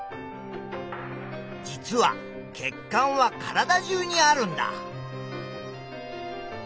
実は血管は体中にあるんだ。